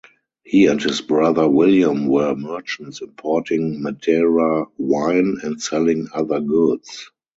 He and his brother William were merchants importing Madeira wine and selling other goods.